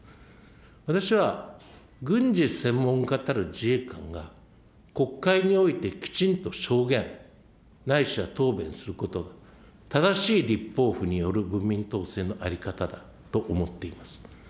私は軍事専門家たる自衛官が、国会においてきちんと証言ないしは答弁することが、正しい立法府による文民統制の在り方だと思っています。